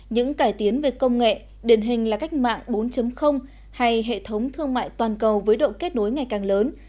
những cải tiến về công nghệ điển hình là cách mạng bốn hay hệ thống thương mại toàn cầu với độ kết nối ngày càng lớn